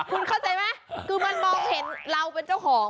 คุณเข้าใจไหมคือมันมองเห็นเราเป็นเจ้าของ